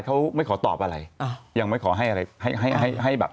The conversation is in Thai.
เขาไม่ขอตอบอะไรยังไม่ขอให้อะไร